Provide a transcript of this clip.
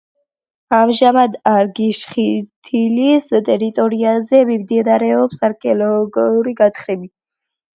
ამჟამად არგიშთიხინილის ტერიტორიაზე მიმდინარეობს არქეოლოგიური გათხრები.